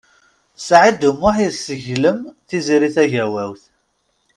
Saɛid U Muḥ yesseglem Tiziri Tagawawt.